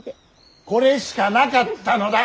これしかなかったのだ！